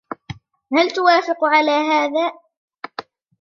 هل توافق على هذا ؟